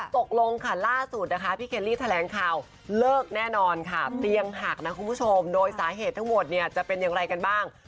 ตกลงค่ะล่าสุดนะคะพี่เคลลี่แถลงข่าวเลิกแน่นอนค่ะเตียงหักนะคุณผู้ชมโดยสาเหตุทั้งหมดเนี่ยจะเป็นอย่างไรกันบ้าง